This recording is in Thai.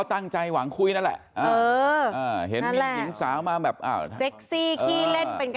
ตั้งใจหวางคุยนั่นแหละ